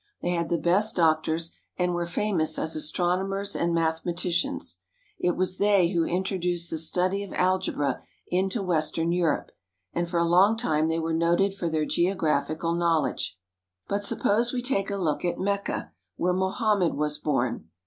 They had the best doc tors, and were famous as astronomers and mathematicians. It was they who intro duced the study of alge bra into western Europe, and for a long time they were noted for their geo graphical knowledge. But suppose we take a look at Mecca, where Mohammed was born.